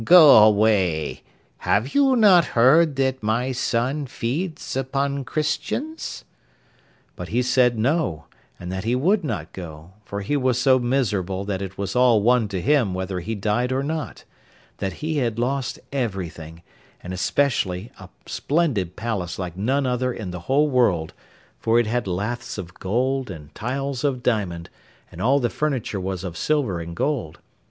Go away. Have you not heard that my son feeds upon Christians?' But he said no, and that he would not go, for he was so miserable that it was all one to him whether he died or not; that he had lost everything, and especially a splendid palace like none other in the whole world, for it had laths of gold and tiles of diamond, and all the furniture was of silver and gold.